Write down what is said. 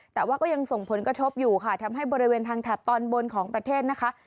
แต่ว่าก็ยังส่งผลกระทบอยู่ค่ะทำให้บริเวณทางแถบตอนบนของประเทศนะคะ